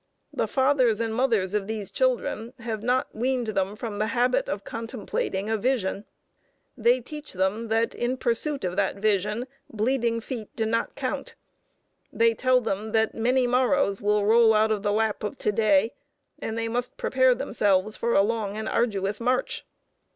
The fathers and mothers of these children have not weaned them from the habit of contemplating a Vision. They teach them that, in pursuit of the Vision, bleeding feet do not count. They tell them that many morrows will roll out of the lap of to day, and they must prepare themselves for a long and arduous march.